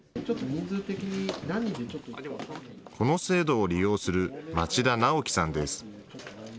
この制度を利用する町田直樹さんです。